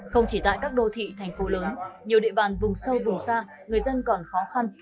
không chỉ tại các đô thị thành phố lớn nhiều địa bàn vùng sâu vùng xa người dân còn khó khăn